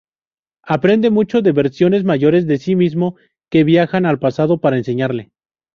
Aprende mucho de versiones mayores de sí mismo, que viajan al pasado para enseñarle.